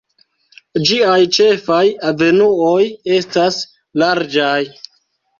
Ĝiaj ĉefaj avenuoj estas larĝaj.